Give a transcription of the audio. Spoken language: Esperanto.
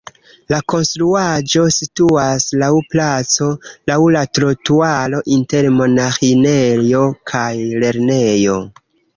La konstruaĵo situas laŭ placo laŭ la trotuaro inter monaĥinejo kaj lernejo.